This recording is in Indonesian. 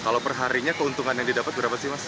kalau perharinya keuntungan yang didapat berapa sih mas